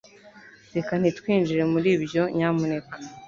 Reka ntitwinjire muri ibyo nyamuneka